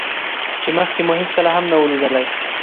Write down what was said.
چې مخکې مو هېڅکله هم نه وو ليدلى.